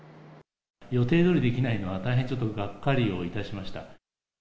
予定どおりできないのは、大変ちょっとがっかりをいたしました。